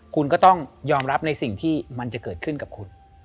คุณก็ต้องยอมรับในสิ่งที่มันจะเกิดขึ้นกับคุณ